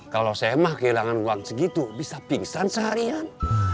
kalau saya mah kehilangan uang segitu bisa pingsan seharian